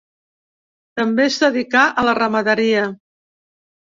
També es dedicà a la ramaderia.